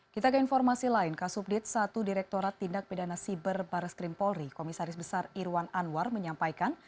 kita ke informasi lain kasus update satu direkturat tindak medanasi berbareskrim polri komisaris besar irwan anwar menyampaikan